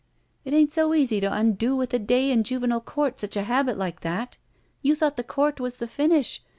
"It ain't so easy to tmdo with a day in Juvenile Court such a habit like that. You thought the court was the finish.